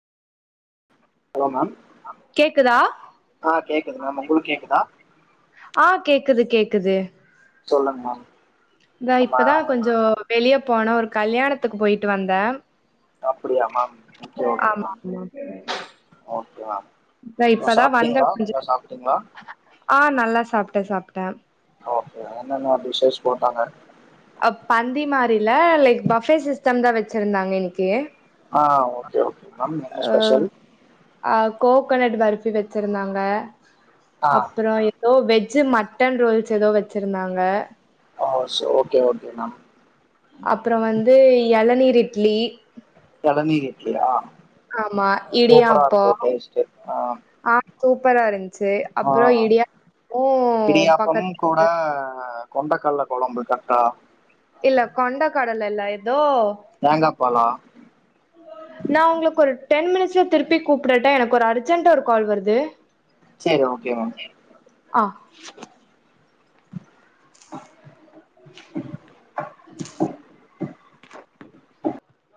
hello ma'am கேக்குதா ஆ கேக்குது மேம் உங்களுக்கு கேக்குதா ஆ கேக்குது கேக்குது சொல்ங் மாம் [unintelligible] இப்பதா கொஞ்சோ வெளிய போனே ஒரு கல்யாணத்துக்கு போய்ட்டு வந்தன் அப்டியா ma'am okay okay ma'am okay ma'am இந்தா இப்பதா வந்த சாப்ட்டீங்களா கொஞ்ச நல்லா சாப்ட்டீங்களா ஆ நல்லா சாப்ட்ட சாப்ட்ட ஓகே மேம் என்னன்ன டிஸ்ஷஸ் போட்டாங்க அ பந்தி மாரில்ல லைக் பஃபே சிஸ்டம் தா வச்சிருந்தாங்க இன்னைக்கி ஆ ஓகே ஓகே மேம் என்ன ஸ்பெஷல் அ கோக்கனட் பர்பி வச்சிருந்தாங்க ஆ அப்பறோ எ தோ வெஜ்ஜி மட்டன் ரோல்ஸ் எதோ வச்சிருந்தாங்க ஆ சோ ஓகே ஓகே மேம் அப்பறம் வந்து எளநீர் இட்லி எளநீர் இட்லியா ஆமா சூப்பரா இருக்கும் இடியாப்பம் டேஸ்ட் ஆ ஆ சூப்பரா இருன்ச்சு ஆ அப்பறோ இடியாப்பம் இடியாப்பம் பக்கத்துல கூட பாலு கொண்டக்கல்ல கொழம்பு கரக்ட்டா இல்ல கொண்டகடல இல்ல எதோ தேங்காப்பாலா நா உங்களுக்கு ஒரு டென் மினிட்ஸ்ல திருப்பி கூப்பிடட்டா எனக்கு ஒரு அர்ஜெண்ட்டா கால் வருது சேரி ஓகே மேம் அ